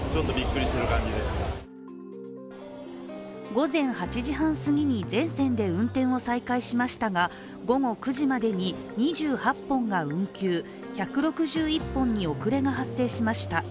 午前８時半すぎに全線で運転を再開しましたが午後９時までに２８本が運休、１６１本に遅れが発生しました。